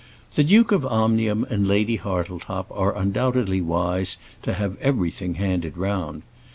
The Duke of Omnium and Lady Hartletop are undoubtedly wise to have everything handed round.